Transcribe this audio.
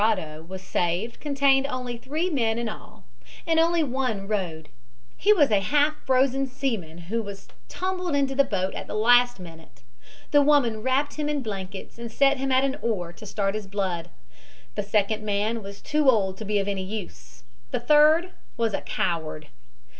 was saved contained only three men in all, and only one rowed. He was a half frozen seaman who was tumbled into the boat at the last minute. The woman wrapped him in blankets and set him at an oar to start his blood. The second man was too old to be of any use. The third was a coward.